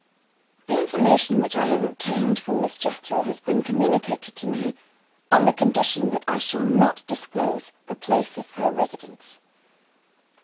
"The information which I have obtained from Miss Jethro has been communicated to me, on the condition that I shall not disclose the place of her residence.